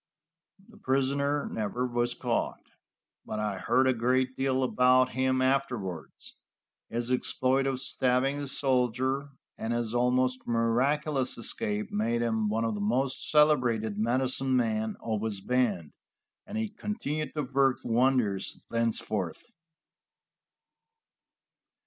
The prisoner never was caught, but I heard a great deal about him afterwards. His exploit of stabbing the soldier and his almost miraculous escape made him one of the most celebrated medicine men of his band, and he continued to work wonders thenceforth.